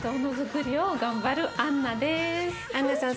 アンナさん